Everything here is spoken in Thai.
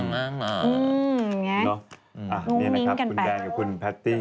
อืมทั้งนี้นะครับคุณแดนและคุณพัทตี้